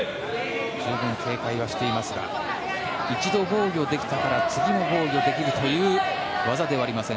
十分に警戒はしていますが一度、防御できたから次も防御できるという技ではありません。